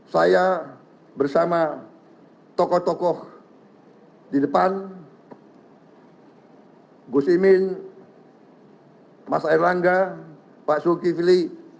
saya bersama tokoh tokoh di depan gus imin mas erlangga pak sulki fili